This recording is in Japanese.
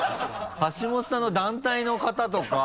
橋本さんの団体の方とか。